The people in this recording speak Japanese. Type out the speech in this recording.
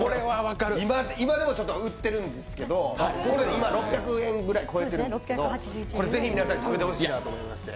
今でも、売ってるんですけど今６００円ぐらい超えてるんですけどこれ、ぜひ皆さんに食べてほしいなと思って。